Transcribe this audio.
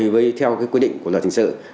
bởi theo quy định của luật hình sự